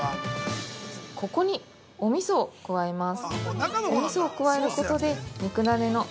◆ここに、おみそを加えます。